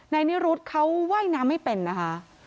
นิรุธเขาว่ายน้ำไม่เป็นนะคะ